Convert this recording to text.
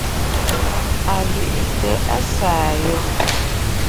Àlwintɔŋ a saà àyoò.